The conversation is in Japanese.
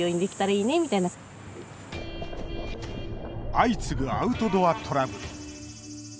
相次ぐ、アウトドアトラブル。